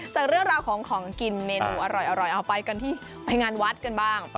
จากเรื่องราวของของกินเมนูอร่อยเอาไปกันที่ไปงานวัดกันบ้าง